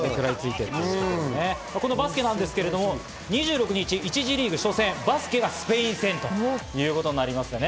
このバスケなんですけれど、２６日、１次リーグ初戦、バスケがスペイン戦ということになります。